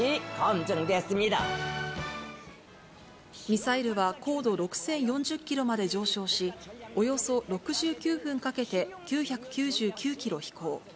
ミサイルは高度６０４０キロまで上昇し、およそ６９分かけて９９９キロ飛行。